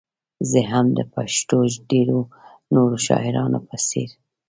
زه هم د پښتو ډېرو نورو شاعرانو په څېر.